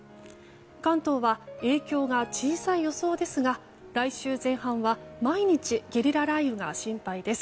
関東は影響が小さい予想ですが来週前半は毎日ゲリラ雷雨が心配です。